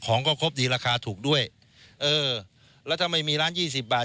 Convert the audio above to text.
ของก็ครบดีราคาถูกด้วยเออแล้วถ้าไม่มีร้านยี่สิบบาท